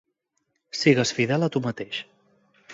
Sigues fidel a tu mateix